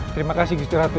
terima kasih gujiratu